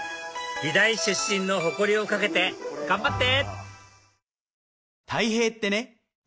美大出身の誇りを懸けて頑張って！